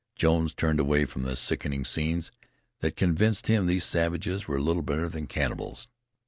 Jones turned away from the sickening scenes that convinced him these savages were little better than cannibals.